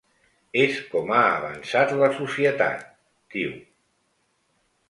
És com ha avançat la societat, diu.